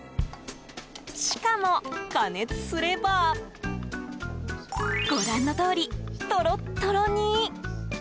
しかも加熱すればご覧のとおり、トロトロに。